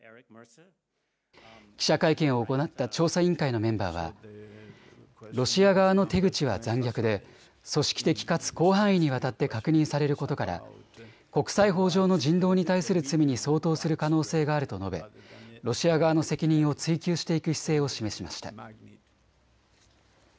記者会見を行った調査委員会のメンバーはロシア側の手口は残虐で組織的かつ広範囲にわたって確認されることから国際法上の人道に対する罪に相当する可能性があると述べロシア側の責任を追及していく姿勢を示しました。